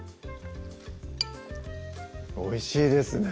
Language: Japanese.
おいしいですね